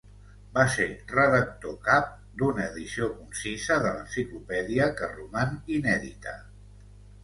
Va ser redactor cap d'una edició concisa de l'enciclopèdia, que roman inèdita.